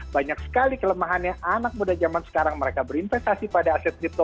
banyak sekali kelemahannya anak muda zaman sekarang mereka berinvestasi pada aset kripto